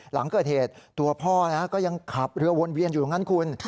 หลังเกิดเหตุตัวพ่อก็ยังขับเรือวนเวียนอยู่ตรงนั้นคุณ